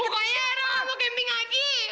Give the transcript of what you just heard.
bukannya eira mau camping lagi